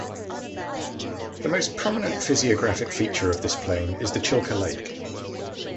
The most prominent physiographic feature of this plain is the Chilka Lake.